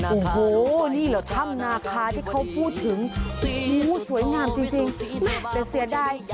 โอ้โหนี่เหรอถ้ำนาคาที่เขาพูดถึงสวยงามจริงแต่เสียดาย